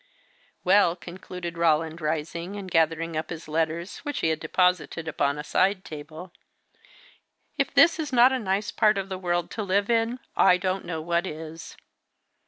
"Well," concluded Roland, rising, and gathering up his letters, which he had deposited upon a side table, "if this is not a nice part of the world to live in, I don't know what is!